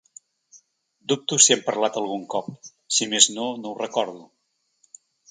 Dubto si hem parlat algun cop; si més no no ho recordo.